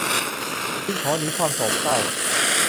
จึงขอหนีความโศกเศร้า